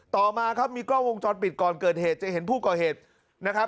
ต่อมาครับมีกล้องวงจรปิดก่อนเกิดเหตุจะเห็นผู้ก่อเหตุนะครับ